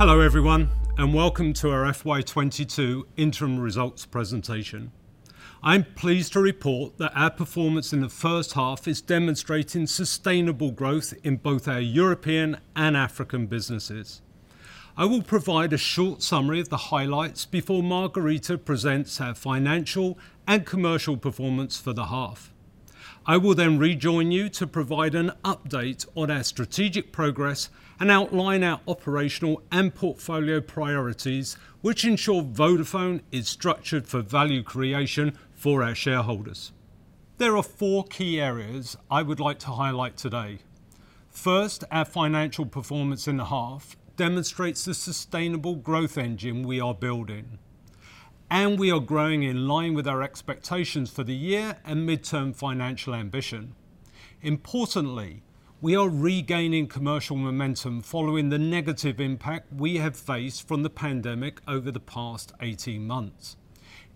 Hello everyone, and welcome to our FY 2022 interim results presentation. I'm pleased to report that our performance in the first half is demonstrating sustainable growth in both our European and African businesses. I will provide a short summary of the highlights before Margherita presents our financial and commercial performance for the half. I will then rejoin you to provide an update on our strategic progress and outline our operational and portfolio priorities, which ensure Vodafone is structured for value creation for our shareholders. There are four key areas I would like to highlight today. First, our financial performance in the half demonstrates the sustainable growth engine we are building, and we are growing in line with our expectations for the year and midterm financial ambition. Importantly, we are regaining commercial momentum following the negative impact we have faced from the pandemic over the past 18 months.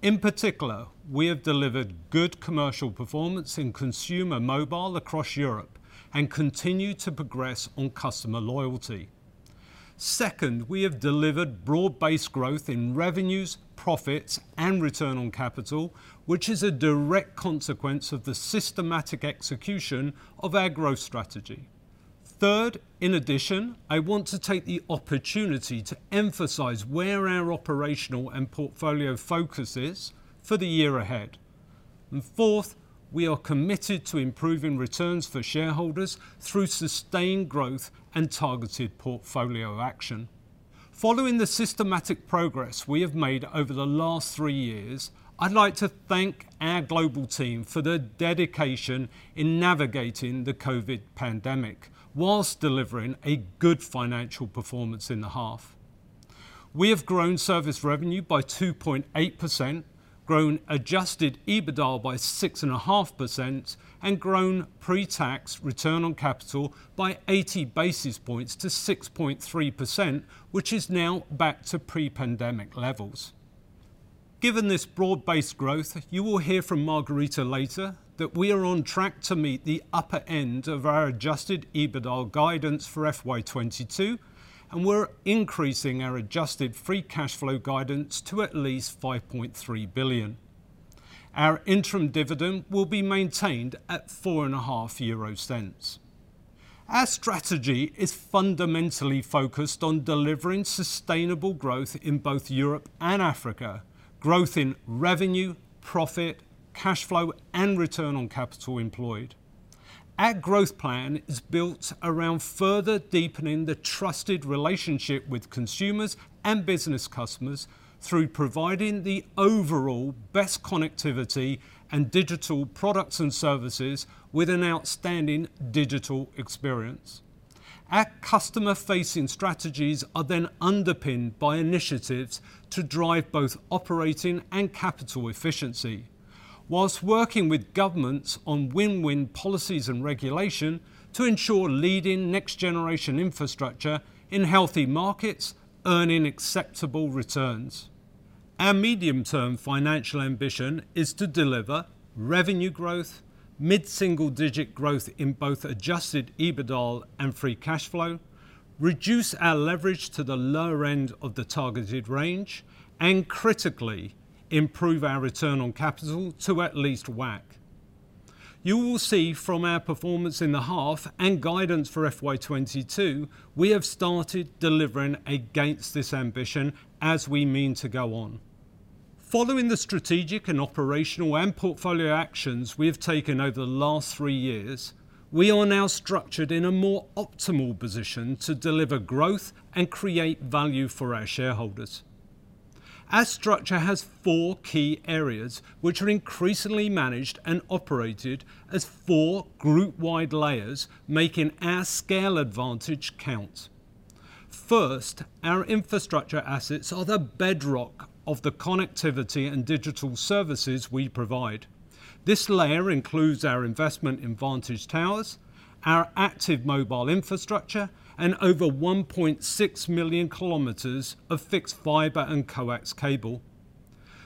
In particular, we have delivered good commercial performance in consumer mobile across Europe and continue to progress on customer loyalty. Second, we have delivered broad-based growth in revenues, profits, and return on capital, which is a direct consequence of the systematic execution of our growth strategy. Third, in addition, I want to take the opportunity to emphasize where our operational and portfolio focus is for the year ahead. Fourth, we are committed to improving returns for shareholders through sustained growth and targeted portfolio action. Following the systematic progress we have made over the last three years, I'd like to thank our global team for their dedication in navigating the COVID pandemic whilst delivering a good financial performance in the half. We have grown service revenue by 2.8%, grown adjusted EBITDA by 6.5%, and grown pre-tax return on capital by 80 basis points to 6.3%, which is now back to pre-pandemic levels. Given this broad-based growth, you will hear from Margherita later that we are on track to meet the upper end of our adjusted EBITDA guidance for FY 2022, and we're increasing our adjusted free cash flow guidance to at least 5.3 billion. Our interim dividend will be maintained at 4.5 euro cents. Our strategy is fundamentally focused on delivering sustainable growth in both Europe and Africa, growth in revenue, profit, cash flow, and return on capital employed. Our growth plan is built around further deepening the trusted relationship with consumers and business customers through providing the overall best connectivity and digital products and services with an outstanding digital experience. Our customer-facing strategies are then underpinned by initiatives to drive both operating and capital efficiency, while working with governments on win-win policies and regulation to ensure leading next generation infrastructure in healthy markets, earning acceptable returns. Our medium-term financial ambition is to deliver revenue growth, mid-single digit growth in both adjusted EBITDA and free cash flow, reduce our leverage to the lower end of the targeted range, and critically, improve our return on capital to at least WACC. You will see from our performance in the half and guidance for FY 2022, we have started delivering against this ambition as we mean to go on. Following the strategic and operational and portfolio actions we have taken over the last three years, we are now structured in a more optimal position to deliver growth and create value for our shareholders. Our structure has four key areas, which are increasingly managed and operated as four groupwide layers, making our scale advantage count. First, our infrastructure assets are the bedrock of the connectivity and digital services we provide. This layer includes our investment in Vantage Towers, our active mobile infrastructure, and over 1.6 million km of fixed fiber and coax cable.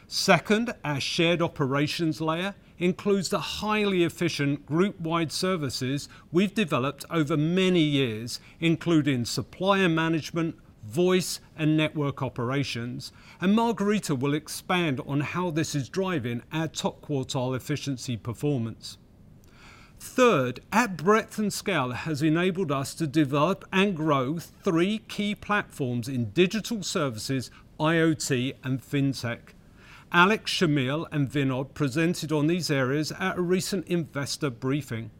Second, our shared operations layer includes the highly efficient groupwide services we've developed over many years, including supplier management, voice, and network operations, and Margherita will expand on how this is driving our top quartile efficiency performance. Third, our breadth and scale has enabled us to develop and grow three key platforms in digital services, IoT, and fintech. Alex, Shameel, and Vinod presented on these areas at a recent investor briefing.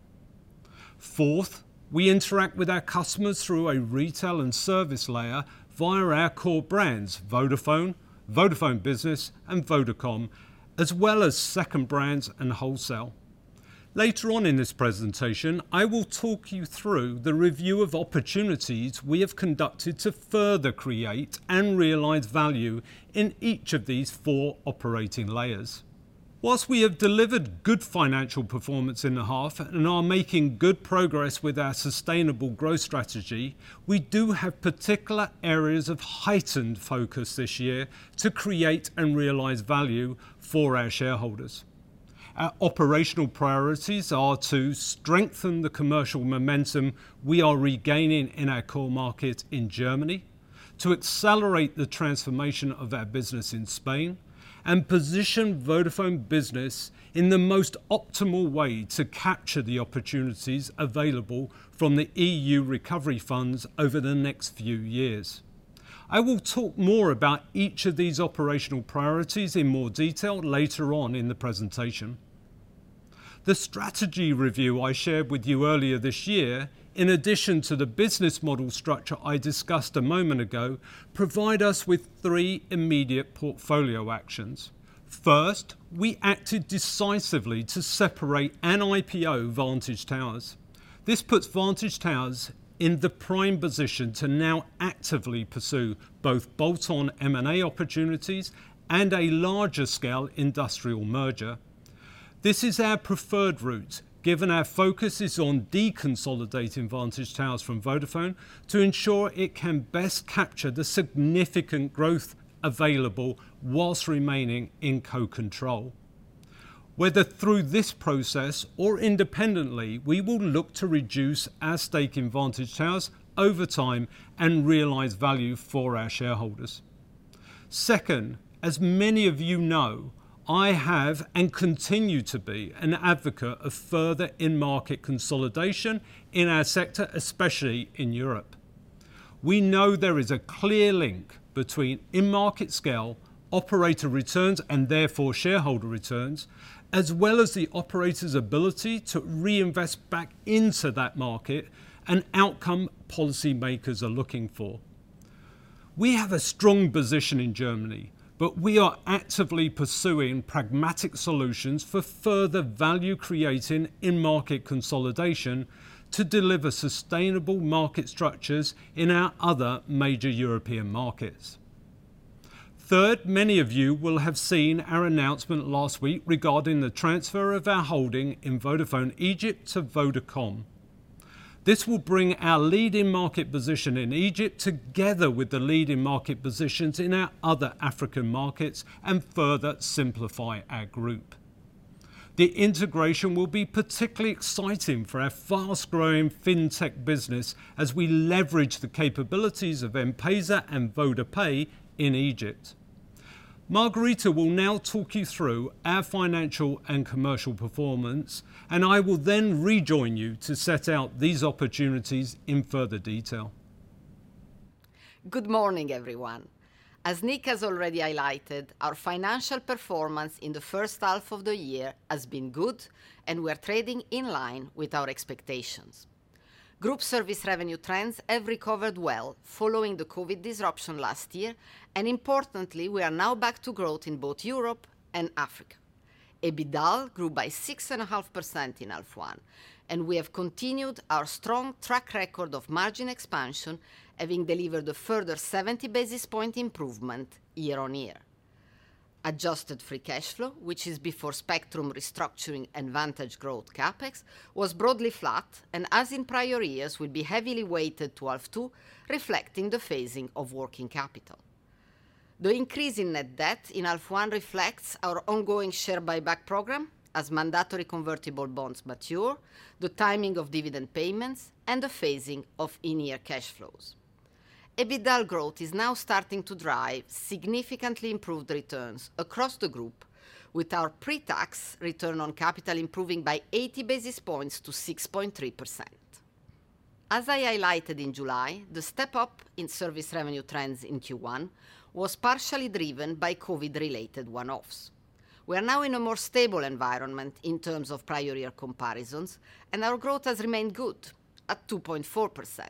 Fourth, we interact with our customers through a retail and service layer via our core brands, Vodafone Business, and Vodacom, as well as second brands and wholesale. Later on in this presentation, I will talk you through the review of opportunities we have conducted to further create and realize value in each of these four operating layers. While we have delivered good financial performance in the half and are making good progress with our sustainable growth strategy, we do have particular areas of heightened focus this year to create and realize value for our shareholders. Our operational priorities are to strengthen the commercial momentum we are regaining in our core market in Germany, to accelerate the transformation of our business in Spain, and position Vodafone Business in the most optimal way to capture the opportunities available from the EU recovery funds over the next few years. I will talk more about each of these operational priorities in more detail later on in the presentation. The strategy review I shared with you earlier this year, in addition to the business model structure I discussed a moment ago, provide us with three immediate portfolio actions. First, we acted decisively to separate and IPO Vantage Towers. This puts Vantage Towers in the prime position to now actively pursue both bolt-on M&A opportunities and a larger scale industrial merger. This is our preferred route, given our focus is on deconsolidating Vantage Towers from Vodafone to ensure it can best capture the significant growth available while remaining in co-control. Whether through this process or independently, we will look to reduce our stake in Vantage Towers over time and realize value for our shareholders. Second, as many of you know, I have and continue to be an advocate of further in-market consolidation in our sector, especially in Europe. We know there is a clear link between in-market scale, operator returns, and therefore shareholder returns, as well as the operator's ability to reinvest back into that market, an outcome policymakers are looking for. We have a strong position in Germany, but we are actively pursuing pragmatic solutions for further value creating in-market consolidation to deliver sustainable market structures in our other major European markets. Third, many of you will have seen our announcement last week regarding the transfer of our holding in Vodafone Egypt to Vodacom. This will bring our leading market position in Egypt together with the leading market positions in our other African markets and further simplify our group. The integration will be particularly exciting for our fast-growing fintech business as we leverage the capabilities of M-Pesa and VodaPay in Egypt. Margherita will now talk you through our financial and commercial performance, and I will then rejoin you to set out these opportunities in further detail. Good morning, everyone. As Nick has already highlighted, our financial performance in the first half of the year has been good, and we're trading in line with our expectations. Group service revenue trends have recovered well following the COVID disruption last year, and importantly, we are now back to growth in both Europe and Africa. EBITDA grew by 6.5% in H1, and we have continued our strong track record of margin expansion, having delivered a further 70 basis point improvement year-on-year. Adjusted free cash flow, which is before spectrum restructuring and Vantage growth CapEx, was broadly flat and as in prior years will be heavily weighted to H2, reflecting the phasing of working capital. The increase in net debt in H1 reflects our ongoing share buyback program as mandatory convertible bonds mature, the timing of dividend payments, and the phasing of end-year cash flows. EBITDA growth is now starting to drive significantly improved returns across the group with our pre-tax return on capital improving by 80 basis points to 6.3%. As I highlighted in July, the step up in service revenue trends in Q1 was partially driven by COVID-related one-offs. We are now in a more stable environment in terms of prior year comparisons, and our growth has remained good at 2.4%.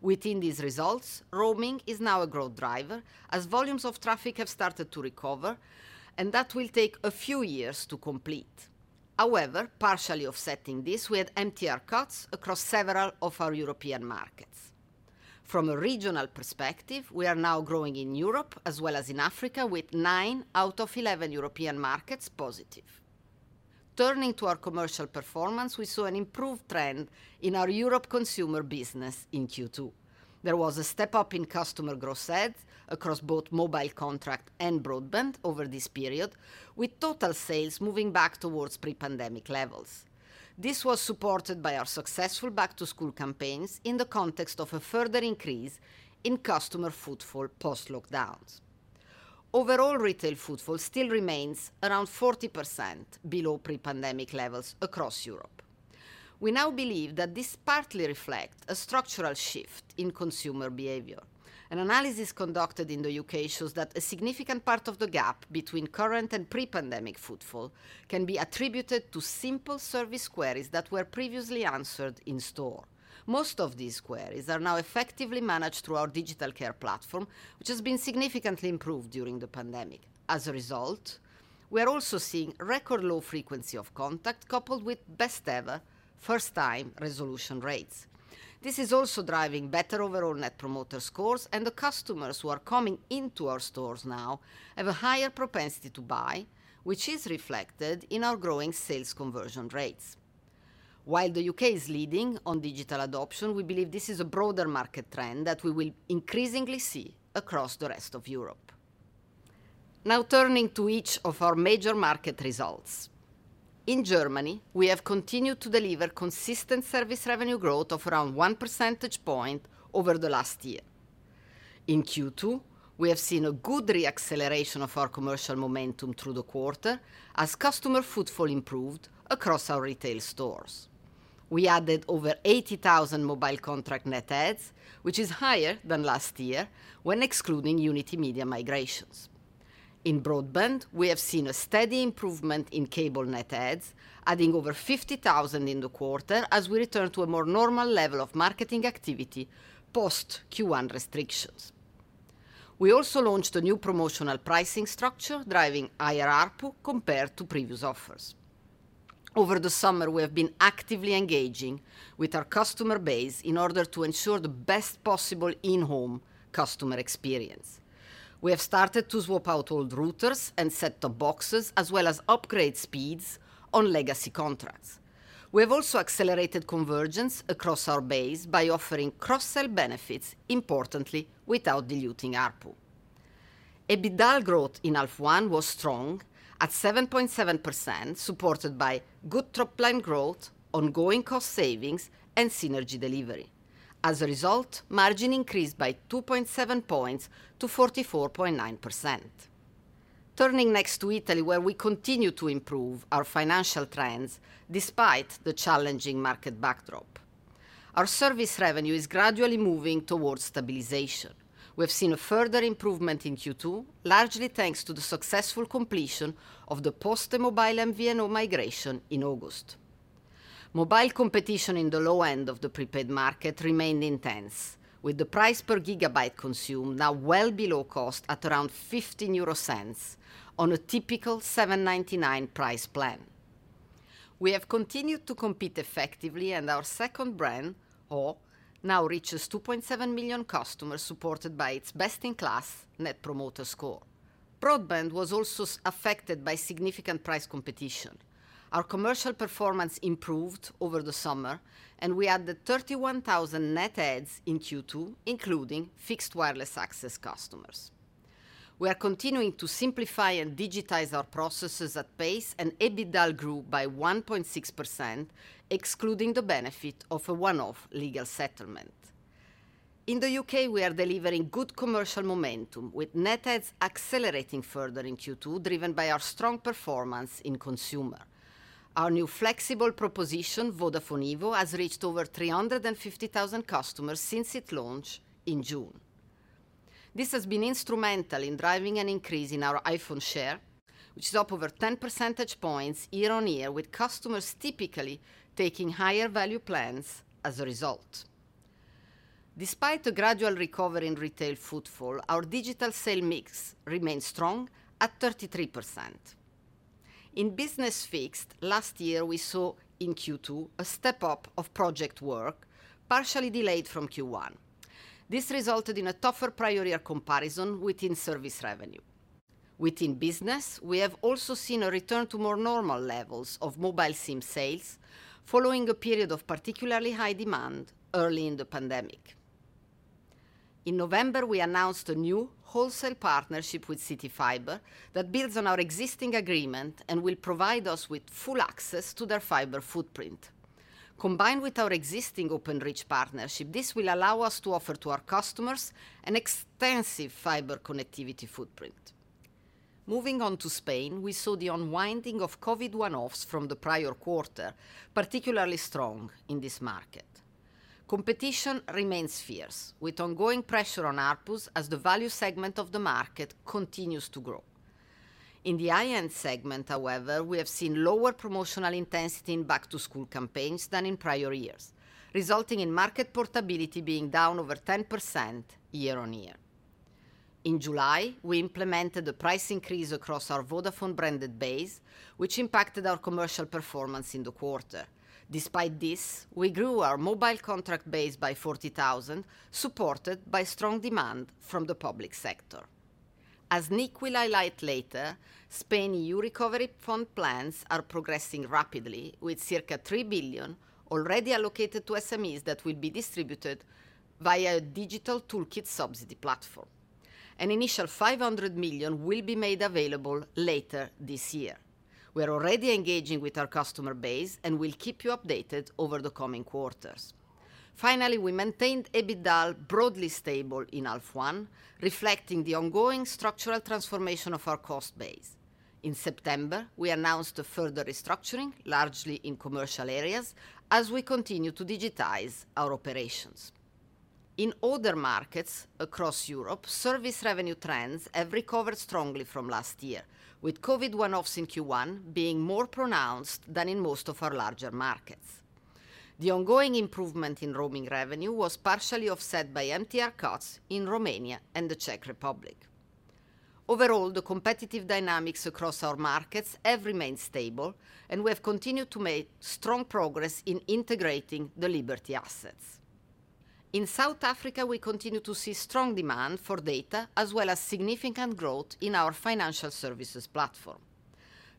Within these results, roaming is now a growth driver as volumes of traffic have started to recover, and that will take a few years to complete. However, partially offsetting this, we had MTR cuts across several of our European markets. From a regional perspective, we are now growing in Europe as well as in Africa with 9 out of 11 European markets positive. Turning to our commercial performance, we saw an improved trend in our Europe consumer business in Q2. There was a step up in customer growth set across both mobile contract and broadband over this period, with total sales moving back towards pre-pandemic levels. This was supported by our successful back-to-school campaigns in the context of a further increase in customer footfall post-lockdowns. Overall, retail footfall still remains around 40% below pre-pandemic levels across Europe. We now believe that this partly reflect a structural shift in consumer behavior. An analysis conducted in the U.K. shows that a significant part of the gap between current and pre-pandemic footfall can be attributed to simple service queries that were previously answered in store. Most of these queries are now effectively managed through our digital care platform, which has been significantly improved during the pandemic. As a result, we are also seeing record low frequency of contact coupled with best ever first time resolution rates. This is also driving better overall Net Promoter Scores, and the customers who are coming into our stores now have a higher propensity to buy, which is reflected in our growing sales conversion rates. While the U.K. is leading on digital adoption, we believe this is a broader market trend that we will increasingly see across the rest of Europe. Now turning to each of our major market results. In Germany, we have continued to deliver consistent service revenue growth of around 1 percentage point over the last year. In Q2 we have seen a good re-acceleration of our commercial momentum through the quarter as customer footfall improved across our retail stores. We added over 80,000 mobile contract net adds, which is higher than last year when excluding Unitymedia migrations. In broadband, we have seen a steady improvement in cable net adds, adding over 50,000 in the quarter as we return to a more normal level of marketing activity post Q1 restrictions. We also launched a new promotional pricing structure, driving higher ARPU compared to previous offers. Over the summer, we have been actively engaging with our customer base in order to ensure the best possible in-home customer experience. We have started to swap out old routers and set-top boxes, as well as upgrade speeds on legacy contracts. We have also accelerated convergence across our base by offering cross-sell benefits, importantly, without diluting ARPU. EBITDA growth in half one was strong at 7.7%, supported by good top line growth, ongoing cost savings and synergy delivery. As a result, margin increased by 2.7 points to 44.9%. Turning next to Italy, where we continue to improve our financial trends despite the challenging market backdrop. Our service revenue is gradually moving towards stabilization. We have seen a further improvement in Q2, largely thanks to the successful completion of the PosteMobile MVNO migration in August. Mobile competition in the low end of the prepaid market remained intense, with the price per GB consumed now well below cost at around €0.15 on a typical €7.99 price plan. We have continued to compete effectively and our second brand, ho., now reaches 2.7 million customers, supported by its best in class Net Promoter Score. Broadband was also affected by significant price competition. Our commercial performance improved over the summer and we added 31,000 net adds in Q2, including fixed wireless access customers. We are continuing to simplify and digitize our processes at pace, and EBITDA grew by 1.6%, excluding the benefit of a one-off legal settlement. In the U.K., we are delivering good commercial momentum with net adds accelerating further in Q2, driven by our strong performance in consumer. Our new flexible proposition, Vodafone EVO, has reached over 350,000 customers since its launch in June. This has been instrumental in driving an increase in our iPhone share, which is up over 10 percentage points year-on-year, with customers typically taking higher value plans as a result. Despite the gradual recovery in retail footfall, our digital sales mix remains strong at 33%. In business fixed, last year we saw in Q2 a step up of project work partially delayed from Q1. This resulted in a tougher prior year comparison within service revenue. Within business, we have also seen a return to more normal levels of mobile SIM sales following a period of particularly high demand early in the pandemic. In November, we announced a new wholesale partnership with CityFibre that builds on our existing agreement and will provide us with full access to their fiber footprint. Combined with our existing Openreach partnership, this will allow us to offer to our customers an extensive fiber connectivity footprint. Moving on to Spain, we saw the unwinding of COVID one-offs from the prior quarter, particularly strong in this market. Competition remains fierce, with ongoing pressure on ARPUs as the value segment of the market continues to grow. In the high-end segment, however, we have seen lower promotional intensity in back to school campaigns than in prior years, resulting in market portability being down over 10% year-on-year. In July, we implemented a price increase across our Vodafone branded base, which impacted our commercial performance in the quarter. Despite this, we grew our mobile contract base by 40,000, supported by strong demand from the public sector. As Nick will highlight later, Spain EU recovery fund plans are progressing rapidly, with circa 3 billion already allocated to SMEs that will be distributed via a Digital Toolkit subsidy platform. An initial 500 million will be made available later this year. We are already engaging with our customer base, and we'll keep you updated over the coming quarters. Finally, we maintained EBITDA broadly stable in H1, reflecting the ongoing structural transformation of our cost base. In September, we announced a further restructuring, largely in commercial areas, as we continue to digitize our operations. In other markets across Europe, service revenue trends have recovered strongly from last year, with COVID one-offs in Q1 being more pronounced than in most of our larger markets. The ongoing improvement in roaming revenue was partially offset by MTR cuts in Romania and the Czech Republic. Overall, the competitive dynamics across our markets have remained stable, and we have continued to make strong progress in integrating the Liberty assets. In South Africa, we continue to see strong demand for data, as well as significant growth in our financial services platform.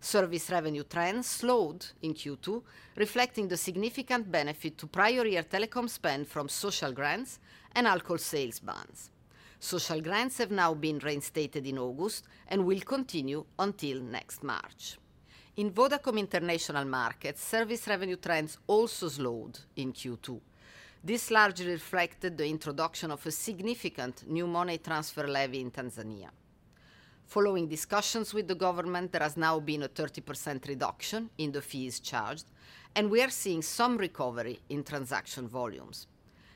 Service revenue trends slowed in Q2, reflecting the significant benefit to prior year telecom spend from social grants and alcohol sales bans. Social grants have now been reinstated in August and will continue until next March. In Vodacom international markets, service revenue trends also slowed in Q2. This largely reflected the introduction of a significant new money transfer levy in Tanzania. Following discussions with the government, there has now been a 30% reduction in the fees charged, and we are seeing some recovery in transaction volumes.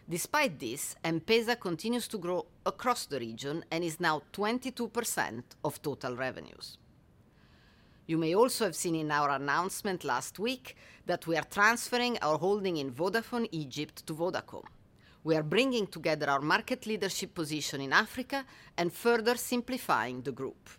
Despite this, M-PESA continues to grow across the region and is now 22% of total revenues. You may also have seen in our announcement last week that we are transferring our holding in Vodafone Egypt to Vodacom. We are bringing together our market leadership position in Africa and further simplifying the group.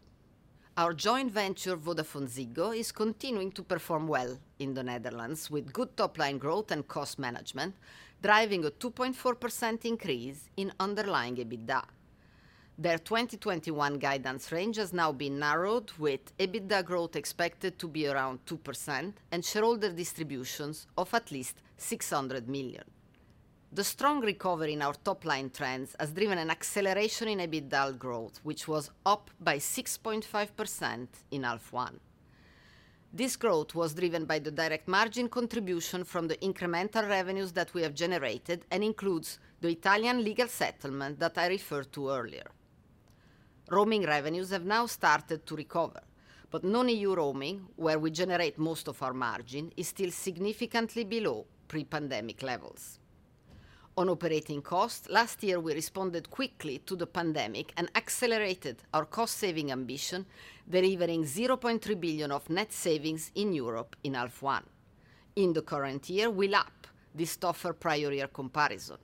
Our joint venture, VodafoneZiggo, is continuing to perform well in the Netherlands, with good top line growth and cost management driving a 2.4% increase in underlying EBITDA. Their 2021 guidance range has now been narrowed, with EBITDA growth expected to be around 2% and shareholder distributions of at least 600 million. The strong recovery in our top line trends has driven an acceleration in EBITDA growth, which was up by 6.5% in H1. This growth was driven by the direct margin contribution from the incremental revenues that we have generated and includes the Italian legal settlement that I referred to earlier. Roaming revenues have now started to recover. Non-EU roaming, where we generate most of our margin, is still significantly below pre-pandemic levels. On operating costs, last year we responded quickly to the pandemic and accelerated our cost saving ambition, delivering 0.3 billion of net savings in Europe in H1. In the current year, we lapped this tougher prior year comparison.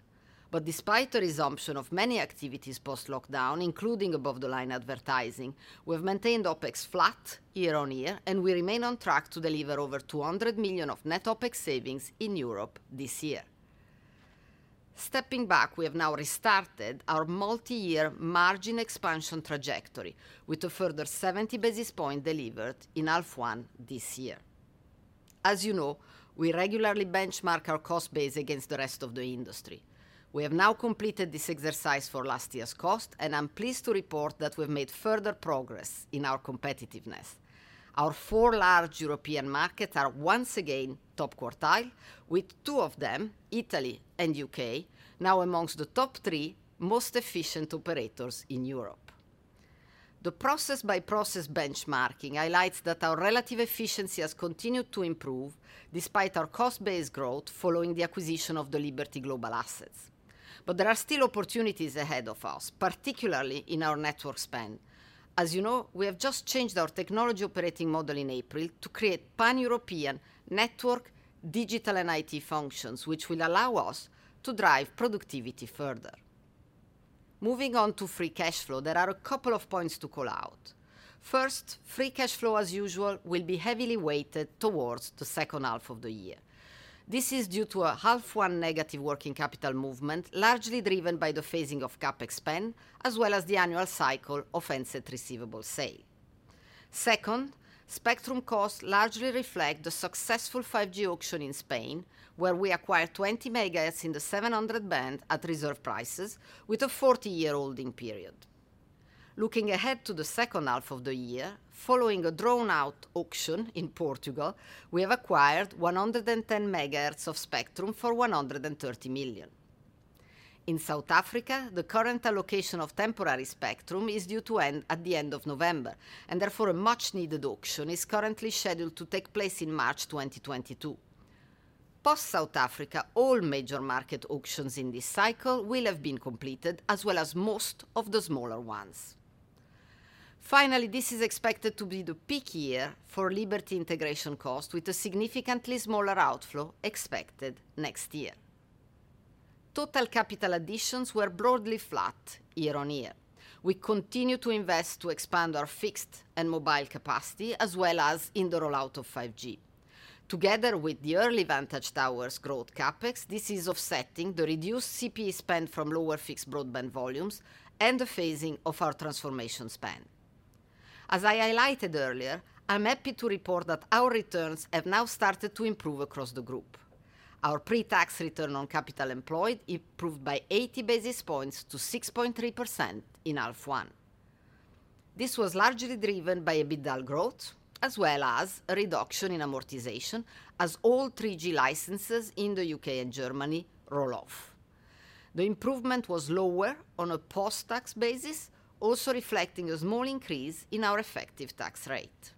Despite the resumption of many activities post-lockdown, including above-the-line advertising, we have maintained OpEx flat year-over-year, and we remain on track to deliver over 200 million of net OpEx savings in Europe this year. Stepping back, we have now restarted our multi-year margin expansion trajectory with a further 70 basis points delivered in half one this year. As you know, we regularly benchmark our cost base against the rest of the industry. We have now completed this exercise for last year's cost, and I'm pleased to report that we've made further progress in our competitiveness. Our four large European markets are once again top quartile, with two of them, Italy and U.K., now among the top three most efficient operators in Europe. The process-by-process benchmarking highlights that our relative efficiency has continued to improve despite our cost base growth following the acquisition of the Liberty Global assets. There are still opportunities ahead of us, particularly in our network spend. As you know, we have just changed our technology operating model in April to create pan-European network, digital and IT functions, which will allow us to drive productivity further. Moving on to free cash flow, there are a couple of points to call out. First, free cash flow, as usual, will be heavily weighted towards the H2 of the year. This is due to an H1 negative working capital movement, largely driven by the phasing of CapEx spend, as well as the annual cycle of handset receivable sale. Second, spectrum costs largely reflect the successful 5G auction in Spain, where we acquired 20 megahertz in the 700 band at reserve prices with a 40-year holding period. Looking ahead to the H2 of the year, following a drawn-out auction in Portugal, we have acquired 110 megahertz of spectrum for 130 million. In South Africa, the current allocation of temporary spectrum is due to end at the end of November, and therefore a much-needed auction is currently scheduled to take place in March 2022. Post South Africa, all major market auctions in this cycle will have been completed, as well as most of the smaller ones. Finally, this is expected to be the peak year for Liberty integration costs, with a significantly smaller outflow expected next year. Total capital additions were broadly flat year-on-year. We continue to invest to expand our fixed and mobile capacity, as well as in the rollout of 5G. Together with our Vantage Towers growth CapEx, this is offsetting the reduced CPE spend from lower fixed broadband volumes and the phasing of our transformation spend. As I highlighted earlier, I'm happy to report that our returns have now started to improve across the group. Our pre-tax return on capital employed improved by 80 basis points to 6.3% in H1. This was largely driven by EBITDA growth, as well as a reduction in amortization as all 3G licenses in the U.K. and Germany roll off. The improvement was lower on a post-tax basis, also reflecting a small increase in our effective tax rate.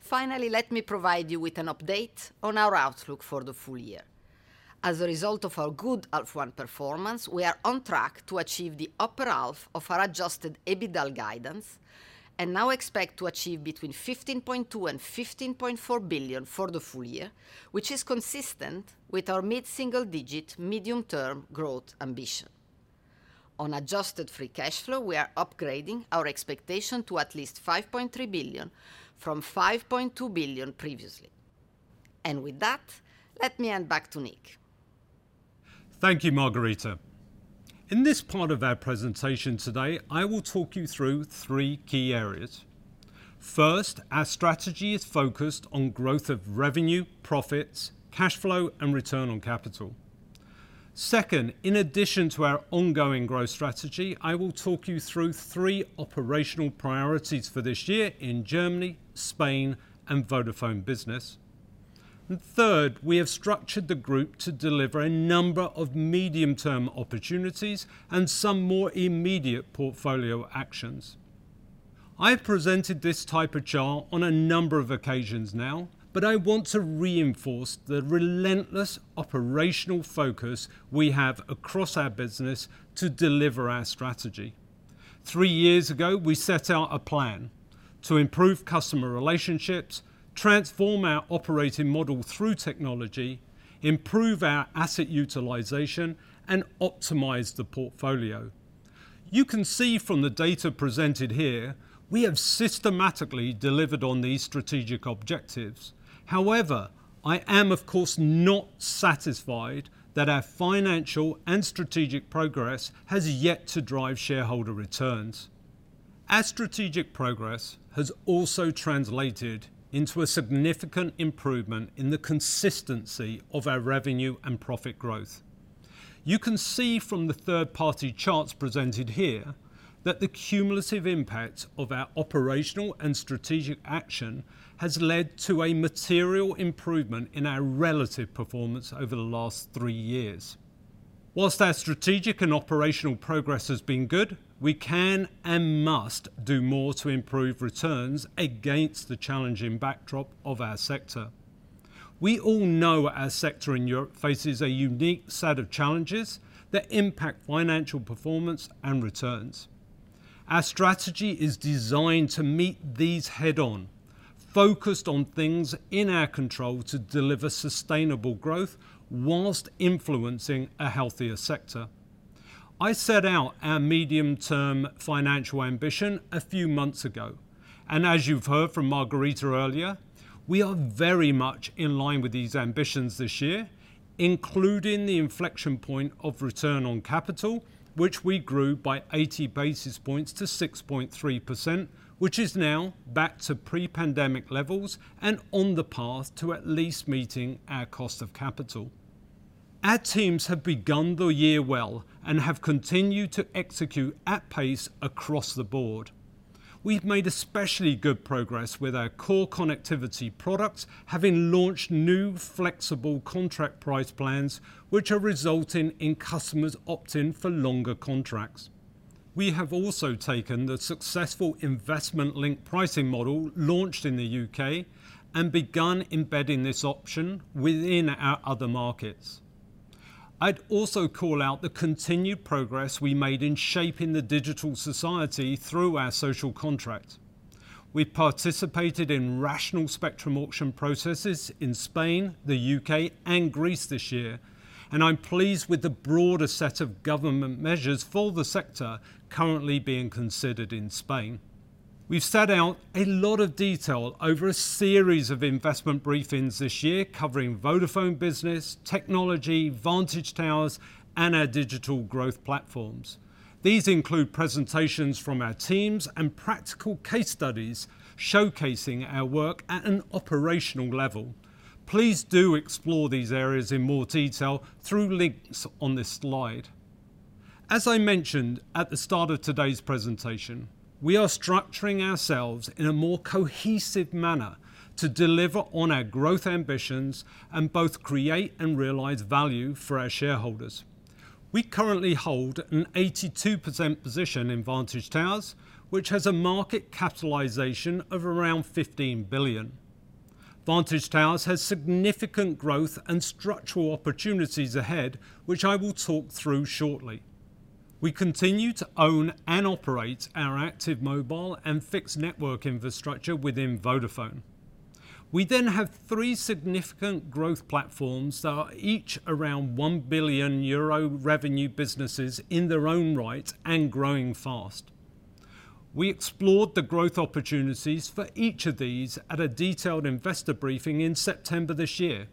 Finally, let me provide you with an update on our outlook for the full year. As a result of our good half one performance, we are on track to achieve the upper half of our adjusted EBITDA guidance and now expect to achieve between 15.2 billion and 15.4 billion for the full year, which is consistent with our mid-single digit medium-term growth ambition. On adjusted free cash flow, we are upgrading our expectation to at least 5.3 billion from 5.2 billion previously. With that, let me hand back to Nick. Thank you, Margherita. In this part of our presentation today, I will talk you through three key areas. First, our strategy is focused on growth of revenue, profits, cash flow, and return on capital. Second, in addition to our ongoing growth strategy, I will talk you through three operational priorities for this year in Germany, Spain, and Vodafone Business. Third, we have structured the group to deliver a number of medium-term opportunities and some more immediate portfolio actions. I've presented this type of chart on a number of occasions now, but I want to reinforce the relentless operational focus we have across our business to deliver our strategy. Three years ago, we set out a plan to improve customer relationships, transform our operating model through technology, improve our asset utilization, and optimize the portfolio. You can see from the data presented here we have systematically delivered on these strategic objectives. However, I am, of course, not satisfied that our financial and strategic progress has yet to drive shareholder returns. Our strategic progress has also translated into a significant improvement in the consistency of our revenue and profit growth. You can see from the third-party charts presented here that the cumulative impact of our operational and strategic action has led to a material improvement in our relative performance over the last three years. While our strategic and operational progress has been good, we can and must do more to improve returns against the challenging backdrop of our sector. We all know our sector in Europe faces a unique set of challenges that impact financial performance and returns. Our strategy is designed to meet these head-on, focused on things in our control to deliver sustainable growth while influencing a healthier sector. I set out our medium-term financial ambition a few months ago, and as you've heard from Margherita earlier, we are very much in line with these ambitions this year, including the inflection point of return on capital, which we grew by 80 basis points to 6.3%, which is now back to pre-pandemic levels and on the path to at least meeting our cost of capital. Our teams have begun the year well and have continued to execute at pace across the board. We've made especially good progress with our core connectivity products, having launched new flexible contract price plans which are resulting in customers opting for longer contracts. We have also taken the successful investment link pricing model launched in the U.K. and begun embedding this option within our other markets. I'd also call out the continued progress we made in shaping the digital society through our social contract. We participated in rational spectrum auction processes in Spain, the U.K., and Greece this year, and I'm pleased with the broader set of government measures for the sector currently being considered in Spain. We've set out a lot of detail over a series of investment briefings this year, covering Vodafone Business, technology, Vantage Towers, and our digital growth platforms. These include presentations from our teams and practical case studies showcasing our work at an operational level. Please do explore these areas in more detail through links on this slide. As I mentioned at the start of today's presentation, we are structuring ourselves in a more cohesive manner to deliver on our growth ambitions and both create and realize value for our shareholders. We currently hold an 82% position in Vantage Towers, which has a market capitalization of around 15 billion. Vantage Towers has significant growth and structural opportunities ahead, which I will talk through shortly. We continue to own and operate our active mobile and fixed network infrastructure within Vodafone. We then have three significant growth platforms that are each around 1 billion euro revenue businesses in their own right and growing fast. We explored the growth opportunities for each of these at a detailed investor briefing in September this year.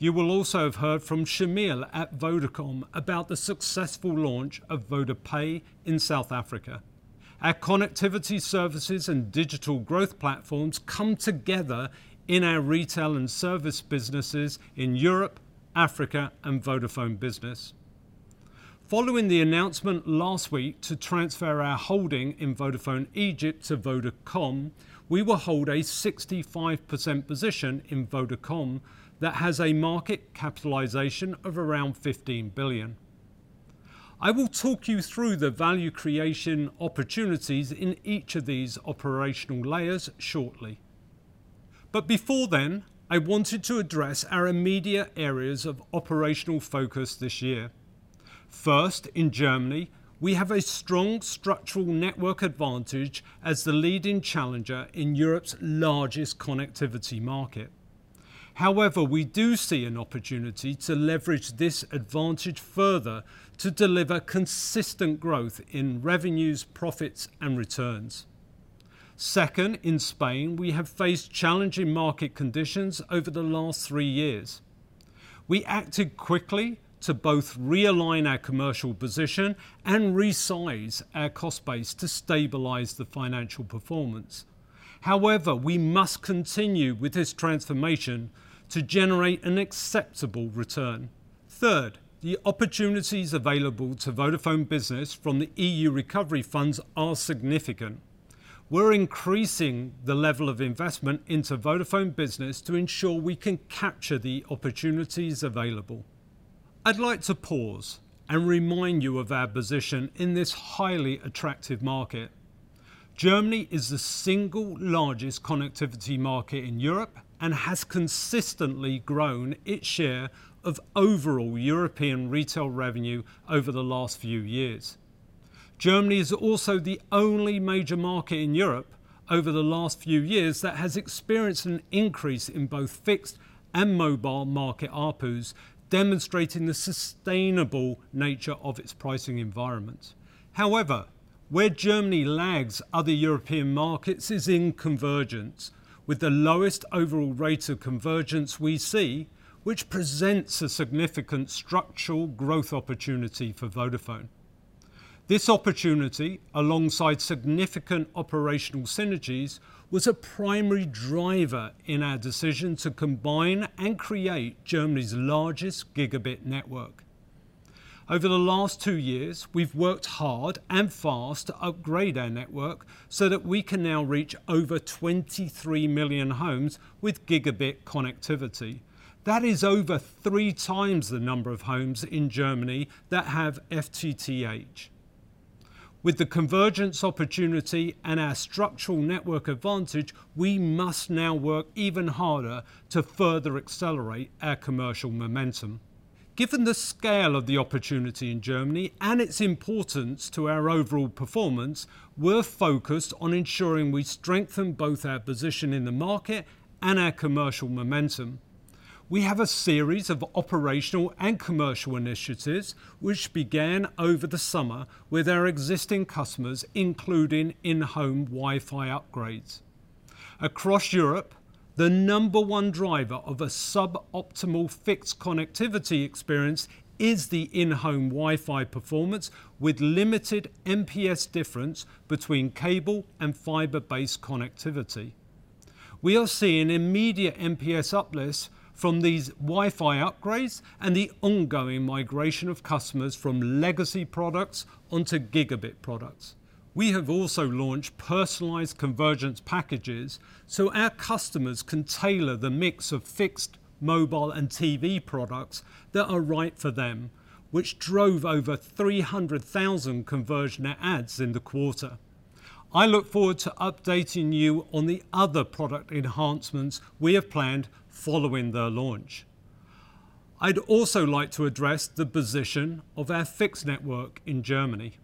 You will also have heard from Shamil at Vodacom about the successful launch of VodaPay in South Africa. Our connectivity services and digital growth platforms come together in our retail and service businesses in Europe, Africa, and Vodafone Business. Following the announcement last week to transfer our holding in Vodafone Egypt to Vodacom, we will hold a 65% position in Vodacom that has a market capitalization of around 15 billion. I will talk you through the value creation opportunities in each of these operational layers shortly. Before then, I wanted to address our immediate areas of operational focus this year. First, in Germany, we have a strong structural network advantage as the leading challenger in Europe's largest connectivity market. However, we do see an opportunity to leverage this advantage further to deliver consistent growth in revenues, profits and returns. Second, in Spain, we have faced challenging market conditions over the last three years. We acted quickly to both realign our commercial position and resize our cost base to stabilize the financial performance. However, we must continue with this transformation to generate an acceptable return. Third, the opportunities available to Vodafone Business from the EU recovery funds are significant. We're increasing the level of investment into Vodafone Business to ensure we can capture the opportunities available. I'd like to pause and remind you of our position in this highly attractive market. Germany is the single largest connectivity market in Europe and has consistently grown its share of overall European retail revenue over the last few years. Germany is also the only major market in Europe over the last few years that has experienced an increase in both fixed and mobile market ARPUs, demonstrating the sustainable nature of its pricing environment. However, where Germany lags other European markets is in convergence, with the lowest overall rates of convergence we see, which presents a significant structural growth opportunity for Vodafone. This opportunity, alongside significant operational synergies, was a primary driver in our decision to combine and create Germany's largest Gb network. Over the last two years, we've worked hard and fast to upgrade our network so that we can now reach over 23 million homes with Gb connectivity. That is over three times the number of homes in Germany that have FTTH. With the convergence opportunity and our structural network advantage, we must now work even harder to further accelerate our commercial momentum. Given the scale of the opportunity in Germany and its importance to our overall performance, we're focused on ensuring we strengthen both our position in the market and our commercial momentum. We have a series of operational and commercial initiatives which began over the summer with our existing customers, including in-home Wi-Fi upgrades. Across Europe, the number one driver of a sub-optimal fixed connectivity experience is the in-home Wi-Fi performance with limited NPS difference between cable and fiber-based connectivity. We are seeing immediate NPS uplifts from these Wi-Fi upgrades and the ongoing migration of customers from legacy products onto Gb products. We have also launched personalized convergence packages so our customers can tailor the mix of fixed, mobile and TV products that are right for them, which drove over 300,000 conversions in the quarter. I look forward to updating you on the other product enhancements we have planned following their launch. I'd also like to address the position of our fixed network in Germany.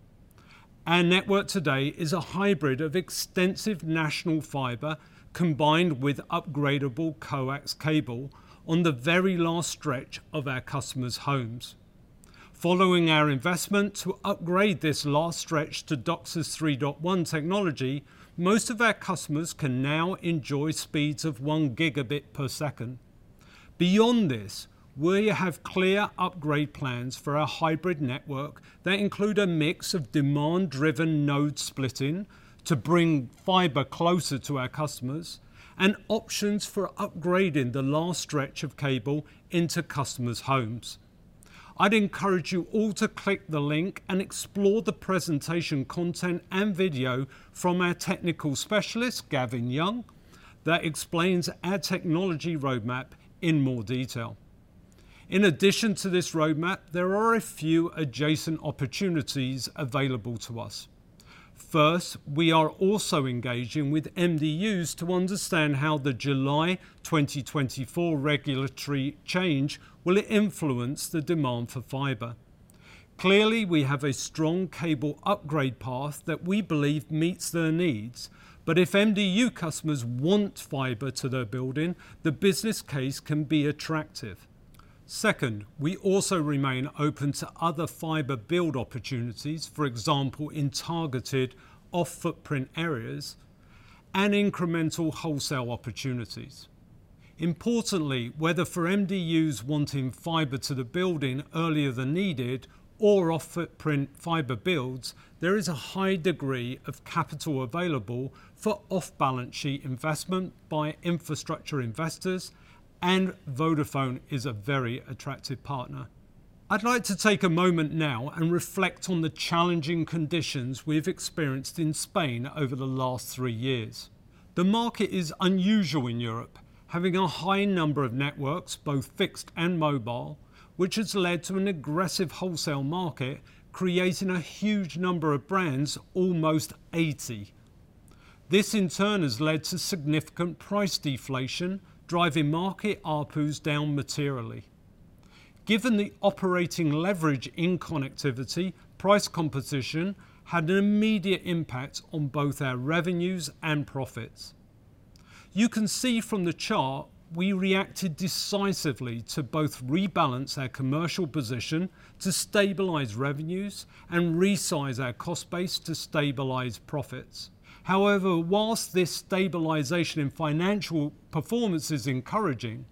Our network today is a hybrid of extensive national fiber combined with upgradable coax cable on the very last stretch of our customers' homes. Following our investment to upgrade this last stretch to DOCSIS 3.1 technology, most of our customers can now enjoy speeds of one Gb per second. Beyond this, we have clear upgrade plans for our hybrid network that include a mix of demand-driven node splitting to bring fiber closer to our customers, and options for upgrading the last stretch of cable into customers' homes. I'd encourage you all to click the link and explore the presentation content and video from our technical specialist, Gavin Young, that explains our technology roadmap in more detail. In addition to this roadmap, there are a few adjacent opportunities available to us. First, we are also engaging with MDUs to understand how the July 2024 regulatory change will influence the demand for fiber. Clearly, we have a strong cable upgrade path that we believe meets their needs. If MDU customers want fiber to their building, the business case can be attractive. Second, we also remain open to other fiber build opportunities, for example, in targeted off-footprint areas and incremental wholesale opportunities. Importantly, whether for MDUs wanting fiber to the building earlier than needed or off-footprint fiber builds, there is a high degree of capital available for off-balance sheet investment by infrastructure investors, and Vodafone is a very attractive partner. I'd like to take a moment now and reflect on the challenging conditions we've experienced in Spain over the last three years. The market is unusual in Europe, having a high number of networks, both fixed and mobile, which has led to an aggressive wholesale market, creating a huge number of brands, almost 80. This in turn has led to significant price deflation, driving market ARPUs down materially. Given the operating leverage in connectivity, price competition had an immediate impact on both our revenues and profits. You can see from the chart, we reacted decisively to both rebalance our commercial position to stabilize revenues and resize our cost base to stabilize profits. However, while this stabilization in financial performance is encouraging,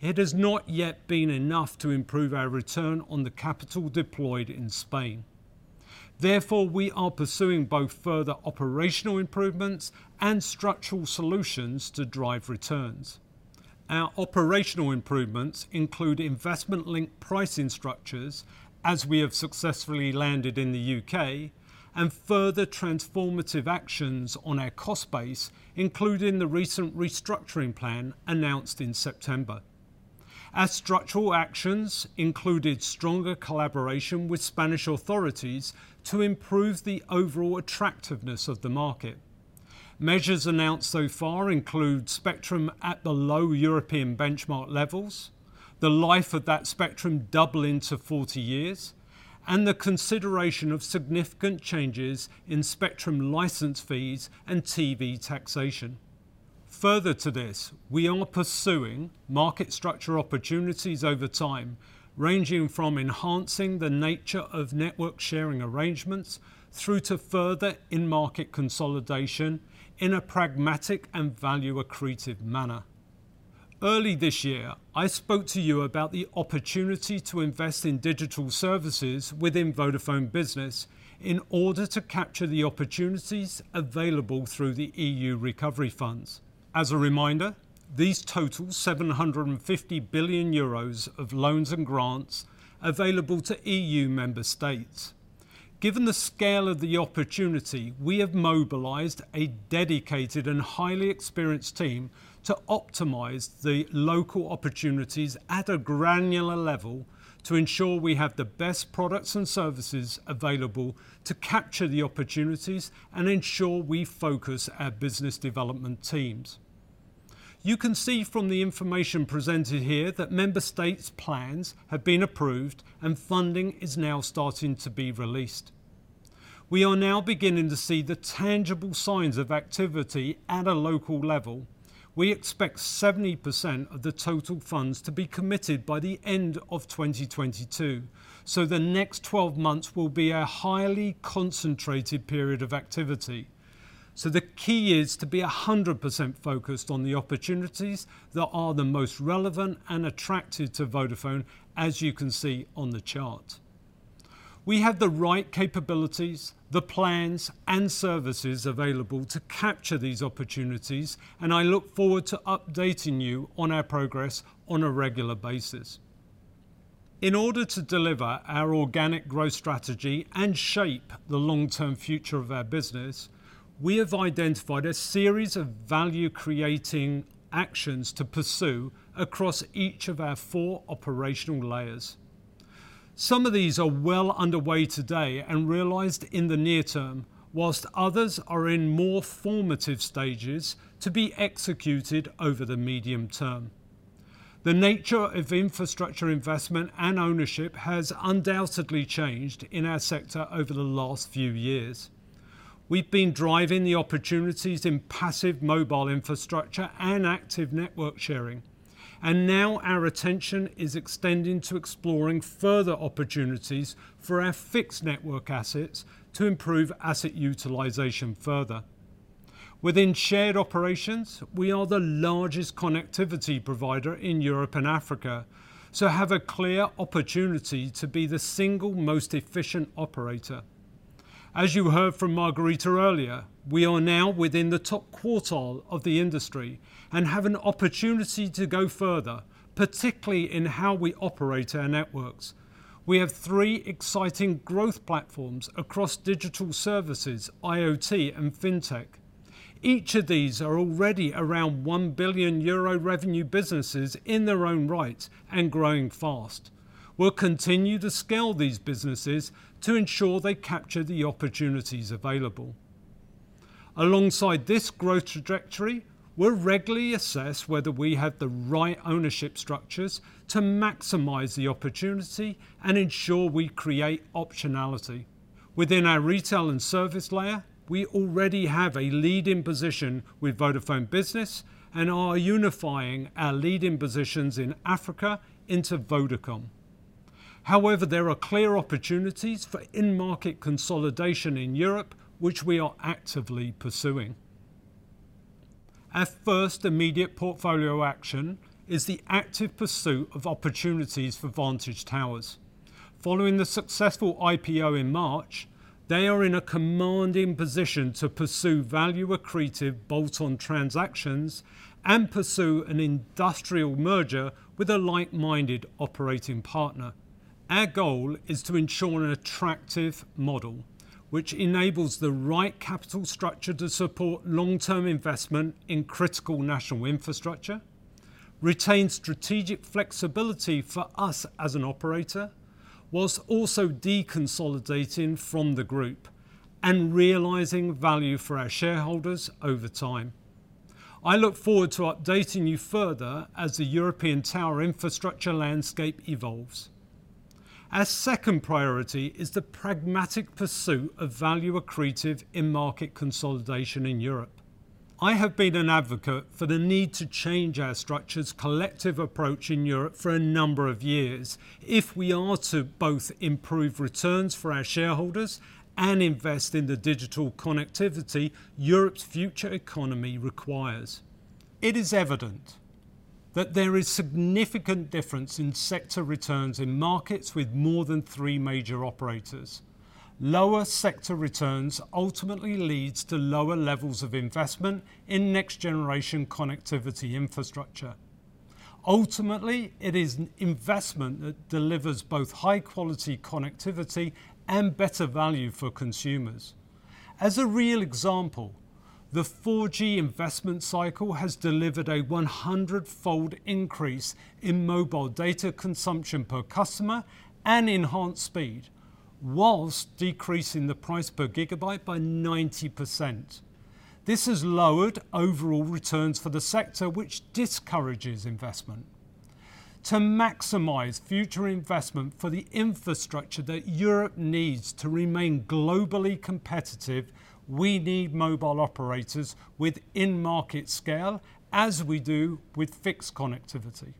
it has not yet been enough to improve our return on the capital deployed in Spain. Therefore, we are pursuing both further operational improvements and structural solutions to drive returns. Our operational improvements include investment-linked pricing structures as we have successfully landed in the U.K., and further transformative actions on our cost base, including the recent restructuring plan announced in September. Our structural actions included stronger collaboration with Spanish authorities to improve the overall attractiveness of the market. Measures announced so far include spectrum at below European benchmark levels, the life of that spectrum doubling to 40 years, and the consideration of significant changes in spectrum license fees and TV taxation. Further to this, we are pursuing market structure opportunities over time, ranging from enhancing the nature of network sharing arrangements through to further in-market consolidation in a pragmatic and value-accretive manner. Early this year, I spoke to you about the opportunity to invest in digital services within Vodafone Business in order to capture the opportunities available through the EU recovery funds. As a reminder, these total 750 billion euros of loans and grants available to EU member states. Given the scale of the opportunity, we have mobilized a dedicated and highly experienced team to optimize the local opportunities at a granular level to ensure we have the best products and services available to capture the opportunities and ensure we focus our business development teams. You can see from the information presented here that member states' plans have been approved, and funding is now starting to be released. We are now beginning to see the tangible signs of activity at a local level. We expect 70% of the total funds to be committed by the end of 2022, so the next 12 months will be a highly concentrated period of activity. The key is to be 100% focused on the opportunities that are the most relevant and attractive to Vodafone, as you can see on the chart. We have the right capabilities, the plans, and services available to capture these opportunities, and I look forward to updating you on our progress on a regular basis. In order to deliver our organic growth strategy and shape the long-term future of our business, we have identified a series of value-creating actions to pursue across each of our four operational layers. Some of these are well underway today and realized in the near term, whilst others are in more formative stages to be executed over the medium term. The nature of infrastructure investment and ownership has undoubtedly changed in our sector over the last few years. We've been driving the opportunities in passive mobile infrastructure and active network sharing, and now our attention is extending to exploring further opportunities for our fixed network assets to improve asset utilization further. Within shared operations, we are the largest connectivity provider in Europe and Africa, so have a clear opportunity to be the single most efficient operator. As you heard from Margherita earlier, we are now within the top quartile of the industry and have an opportunity to go further, particularly in how we operate our networks. We have three exciting growth platforms across digital services, IoT, and fintech. Each of these are already around 1 billion euro revenue businesses in their own right and growing fast. We'll continue to scale these businesses to ensure they capture the opportunities available. Alongside this growth trajectory, we'll regularly assess whether we have the right ownership structures to maximize the opportunity and ensure we create optionality. Within our retail and service layer, we already have a leading position with Vodafone Business and are unifying our leading positions in Africa into Vodacom. However, there are clear opportunities for in-market consolidation in Europe, which we are actively pursuing. Our first immediate portfolio action is the active pursuit of opportunities for Vantage Towers. Following the successful IPO in March, they are in a commanding position to pursue value-accretive bolt-on transactions and pursue an industrial merger with a like-minded operating partner. Our goal is to ensure an attractive model which enables the right capital structure to support long-term investment in critical national infrastructure, retain strategic flexibility for us as an operator, while also deconsolidating from the group and realizing value for our shareholders over time. I look forward to updating you further as the European tower infrastructure landscape evolves. Our second priority is the pragmatic pursuit of value-accretive in-market consolidation in Europe. I have been an advocate for the need to change our structure's collective approach in Europe for a number of years if we are to both improve returns for our shareholders and invest in the digital connectivity that Europe's future economy requires. It is evident that there is significant difference in sector returns in markets with more than three major operators. Lower sector returns ultimately lead to lower levels of investment in next-generation connectivity infrastructure. Ultimately, it is an investment that delivers both high quality connectivity and better value for consumers. As a real example, the 4G investment cycle has delivered a 100-fold increase in mobile data consumption per customer and enhanced speed, while decreasing the price per GB by 90%. This has lowered overall returns for the sector, which discourages investment. To maximize future investment for the infrastructure that Europe needs to remain globally competitive, we need mobile operators with in-market scale, as we do with fixed connectivity.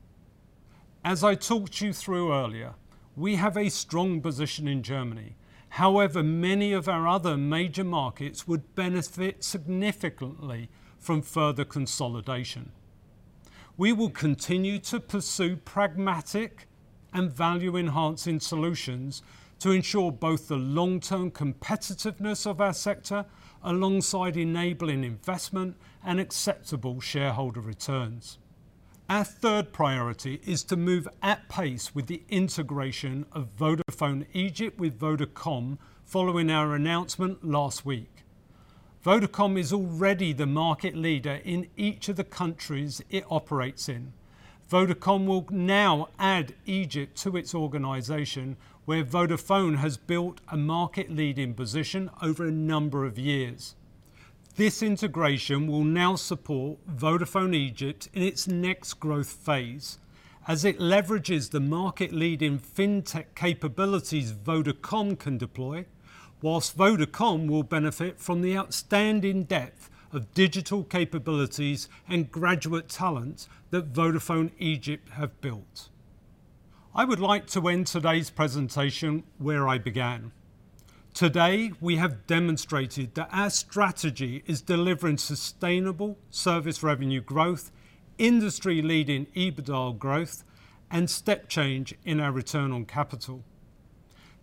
As I talked you through earlier, we have a strong position in Germany. However, many of our other major markets would benefit significantly from further consolidation. We will continue to pursue pragmatic and value-enhancing solutions to ensure both the long-term competitiveness of our sector, alongside enabling investment and acceptable shareholder returns. Our third priority is to move at pace with the integration of Vodafone Egypt with Vodacom following our announcement last week. Vodacom is already the market leader in each of the countries it operates in. Vodacom will now add Egypt to its organization, where Vodafone has built a market leading position over a number of years. This integration will now support Vodafone Egypt in its next growth phase as it leverages the market leading fintech capabilities Vodacom can deploy, whilst Vodacom will benefit from the outstanding depth of digital capabilities and graduate talent that Vodafone Egypt have built. I would like to end today's presentation where I began. Today, we have demonstrated that our strategy is delivering sustainable service revenue growth, industry-leading EBITDA growth, and step change in our return on capital.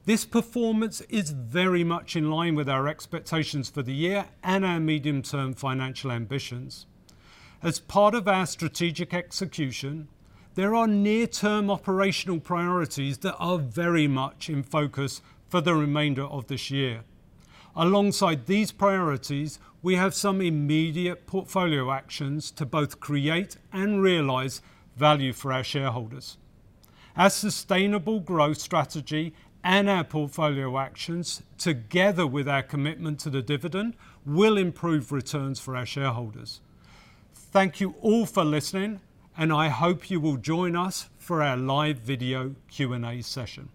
This performance is very much in line with our expectations for the year and our medium term financial ambitions. As part of our strategic execution, there are near-term operational priorities that are very much in focus for the remainder of this year. Alongside these priorities, we have some immediate portfolio actions to both create and realize value for our shareholders. Our sustainable growth strategy and our portfolio actions, together with our commitment to the dividend, will improve returns for our shareholders. Thank you all for listening, and I hope you will join us for our live video Q&A session.